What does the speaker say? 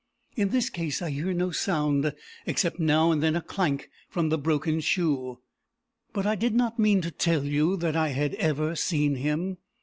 In this case I hear no sound, except now and then a clank from the broken shoe. But I did not mean to tell you that I had ever seen him.